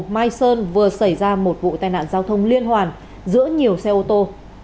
mai sơn vừa xảy ra một vụ tai nạn giao thông liên hoàn giữa nhiều xe ô tô